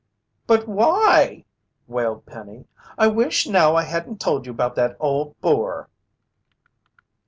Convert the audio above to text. "But why?" wailed Penny. "I wish now I hadn't told you about that old boar!"